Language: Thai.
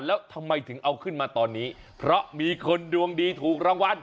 แล้วทำไมถึงเอาขึ้นมาตอนนี้เพราะมีคนดวงดีถูกรางวัล